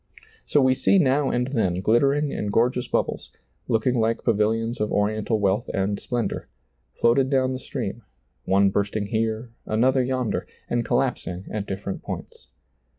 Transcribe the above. So we see now and then glittering and gor geous bubbles, looking like pavilions of oriental wealth and splendor, floated down the stream, one bursting here, another yonder, and collaps ing at different points.